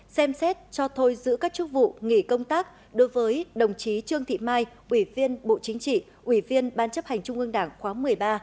xem xét cho thôi giữ các chức vụ nghỉ công tác đối với đồng chí trương thị mai ủy viên bộ chính trị ủy viên ban chấp hành trung ương đảng khóa một mươi ba